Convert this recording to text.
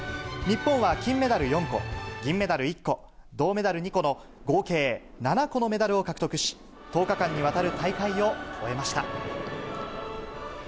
日本は金メダル４個、銀メダル１個、銅メダル２個の合計７個のメダルを獲得し、１０日間にわたる大会を終えました。